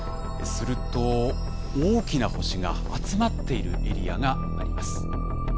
すると大きな星が集まっているエリアがあります。